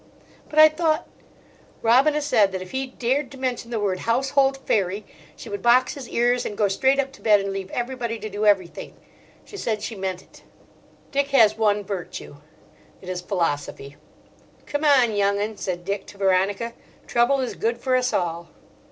"But I thought—" Robina said that if he dared to mention the word "household fairy" she would box his ears, and go straight up to bed, and leave everybody to do everything. She said she meant it. Dick has one virtue: it is philosophy. "Come on, young 'un," said Dick to Veronica. "Trouble is good for us all."